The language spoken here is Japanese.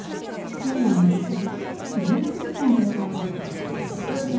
深夜２時過ぎ。